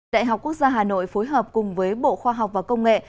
đại học quốc gia hà nội phối hợp cùng với bộ khoa học và công nghệ